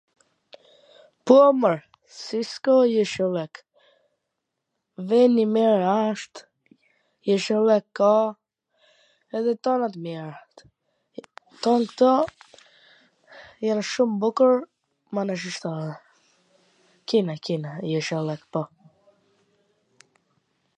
Po, mor, si s'ka jeshillwk. Ven i mir asht, jeshillwk ka, edhe tana t mirat, tana kto jan shum bukur, mana ..., kina, kina, jeshillwk po.